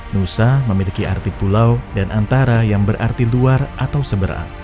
nusa memiliki arti pulau dan antara yang berarti luar atau seberang